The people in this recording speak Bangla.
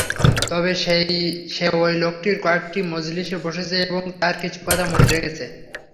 তবে সে ঐ লোকটির কয়েকটি মজলিসে বসেছে এবং তার কিছু কথা মনে রেখেছে।